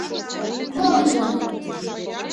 — Мом гын?